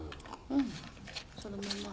うんそのまま。